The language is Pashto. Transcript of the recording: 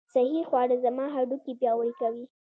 صحي خواړه زما هډوکي پیاوړي کوي.